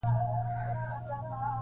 کۀ د چا خوښ نۀ يم ما دې نۀ فالو کوي -